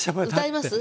歌います？